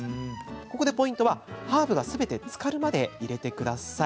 ここでポイントはハーブがすべてつかるまで入れてください。